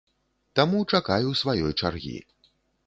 Таму чакаю сваёй чаргі.